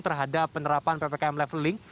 terhadap penerapan ppkm leveling